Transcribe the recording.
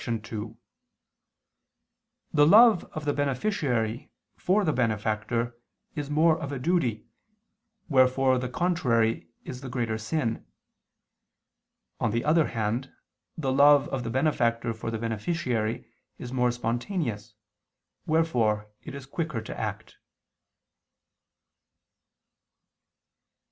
2: The love of the beneficiary for the benefactor is more of a duty, wherefore the contrary is the greater sin. On the other hand, the love of the benefactor for the beneficiary is more spontaneous, wherefore it is quicker to act.